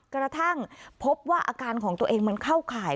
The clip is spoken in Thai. กระทั่งพบว่าอาการของตัวเองมันเข้าข่าย